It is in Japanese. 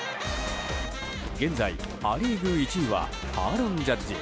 現在、ア・リーグ１位はアーロン・ジャッジ。